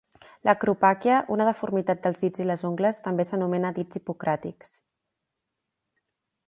L'acropàquia, una deformitat dels dits i les ungles, també s'anomena dits hipocràtics.